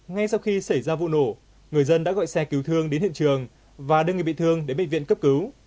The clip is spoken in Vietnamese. ngay sau khi xảy ra vụ nổ người dân đã gọi xe cứu thương đến hiện trường và đưa người bị thương đến bệnh viện cấp cứu